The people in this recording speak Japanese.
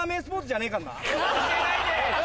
教えないで！